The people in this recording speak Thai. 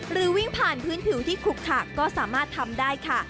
วิ่งผ่านพื้นผิวที่ขุกขักก็สามารถทำได้ค่ะ